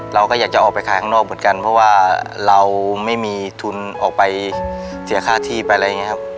เราก็อยากจะออกไปขายข้างนอกเหมือนกันเพราะว่าเราไม่มีทุนออกไปเสียค่าที่ไปอะไรอย่างนี้ครับ